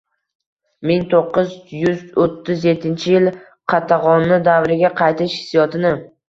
Ming to'qqiz yuz o'ttiz yettinchi yil qatag‘oni davriga qaytish hissiyotini